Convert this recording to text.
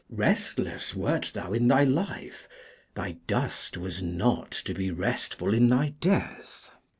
Restless wert thou in thy life; thy dust was not to be restful in thy death.